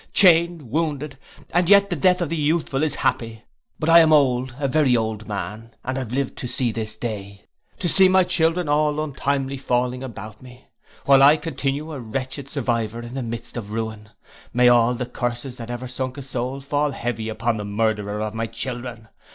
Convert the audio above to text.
Chained, wounded. And yet the death of the youthful is happy. But I am old, a very old man, and have lived to see this day. To see my children all untimely falling about me, while I continue a wretched survivor in the midst of ruin! May all the curses that ever sunk a soul fall heavy upon the murderer of my children.